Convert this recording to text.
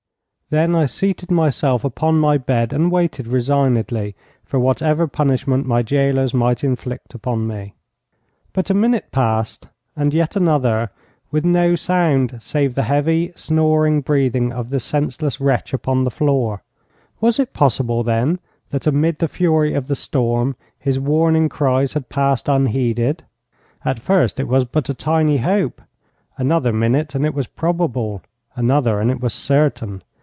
Then I seated myself upon my bed, and waited resignedly for whatever punishment my gaolers might inflict upon me. But a minute passed and yet another, with no sound save the heavy, snoring breathing of the senseless wretch upon the floor. Was it possible, then, that amid the fury of the storm his warning cries had passed unheeded? At first it was but a tiny hope, another minute and it was probable, another and it was certain.